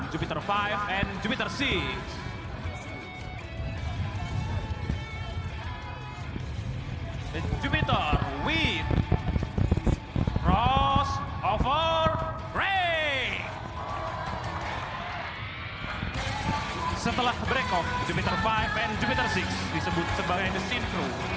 jupiter v dan jupiter vi disebut sebagai the synchro